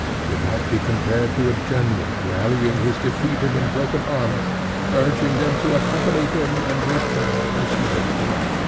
He might be compared to a general rallying his defeated and broken army, urging them to accompany him and return to the field of argument.